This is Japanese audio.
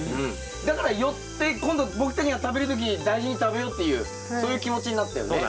だからよって今度僕たちが食べる時に大事に食べようっていうそういう気持ちになったよね。